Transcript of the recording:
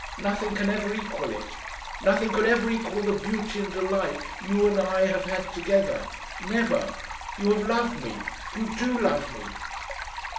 Nothing can ever equal it; nothing could ever equal the beauty and delight you and I have had together. Never! You have loved me; you do love me...."